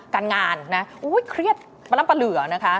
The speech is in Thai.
การงานนะโอ้โฮเครียดประลำปะเหลือนะคะ